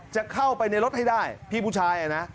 จะเข้าไปในรถให้ได้พี่ผู้ชายนะ